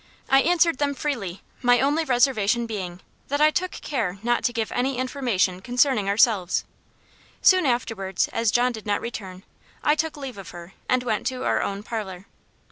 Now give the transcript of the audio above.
I answered them freely my only reservation being, that I took care not to give any information concerning ourselves. Soon afterwards, as John did not return, I took leave of her, and went to our own parlour.